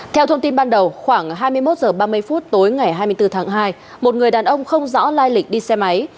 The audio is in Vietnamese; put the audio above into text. theo thông tin ban đầu khoảng hai mươi một h ba mươi phút tối ngày hai mươi bốn tháng hai một người đàn ông không rõ lai lịch đi xe máy